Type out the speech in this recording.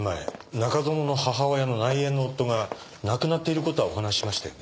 中園の母親の内縁の夫が亡くなっている事はお話ししましたよね？